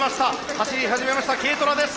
走り始めましたＫトラです。